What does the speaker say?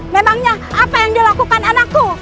memangnya apa yang dilakukan anakku